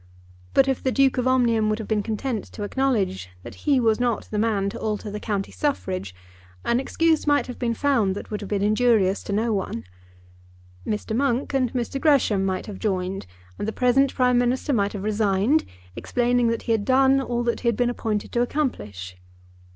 But if the Duke of Omnium would have been content to acknowledge that he was not the man to alter the County Suffrage, an excuse might have been found that would have been injurious to no one. Mr. Monk and Mr. Gresham might have joined, and the present Prime Minister might have resigned, explaining that he had done all that he had been appointed to accomplish.